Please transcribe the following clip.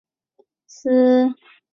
吴福源墓的历史年代为南宋。